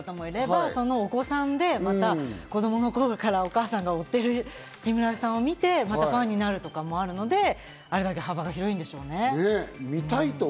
３０年ファンの方もいれば、そのお子さんで子供の頃からお母さんが追ってる木村さんを見て、またファンになるとかもあるので、あれだけ幅が広いんでしょうね。